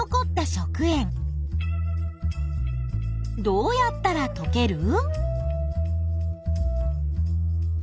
どうやったらとける？